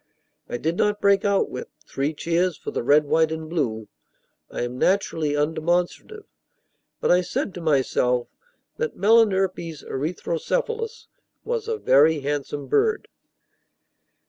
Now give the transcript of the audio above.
I did not break out with "Three cheers for the red, white, and blue!" I am naturally undemonstrative; but I said to myself that Melanerpes erythrocephalus was a very handsome bird.